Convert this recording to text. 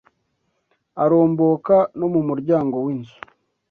Aromboka no mu muryango w’ inzu